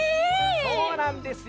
そうなんですよ。